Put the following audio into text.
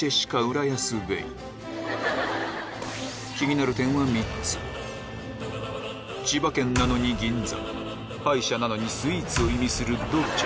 まずはそれは千葉県なのに銀座歯医者なのにスイーツを意味するドルチェ